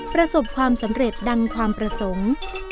ประสบความสำเร็จดังความประสงค์